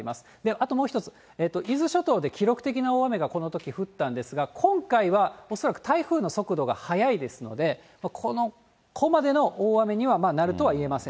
あともう１つ、伊豆諸島で記録的な大雨がこのとき降ったんですが、今回は恐らく台風の速度が速いですので、ここまでの大雨にはなるとは言えません。